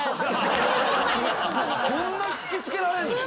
こんな突き付けられる？